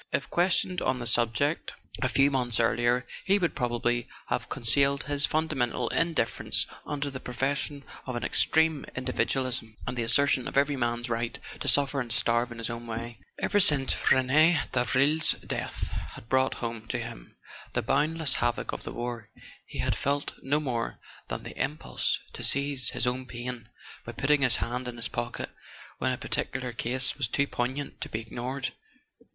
If questioned on the subject a few [ 171 ] A SON AT THE FRONT months earlier he would probably have concealed his fundamental indifference under the profession of an extreme individualism, and the assertion of every man's right to suffer and starve in his own way. Even since Rene Davril's death had brought home to him the boundless havoc of the war, he had felt no more than the impulse to ease his own pain by putting his hand in his pocket when a particular case was too poignant to be ignored.